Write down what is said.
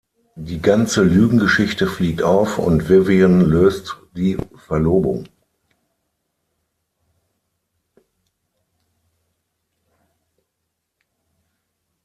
Die ganze Lügengeschichte fliegt auf, und Vivian löst die Verlobung.